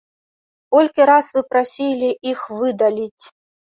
Колькі раз вы прасілі іх выдаліць?